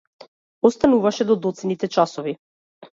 Остануваше до доцните часови.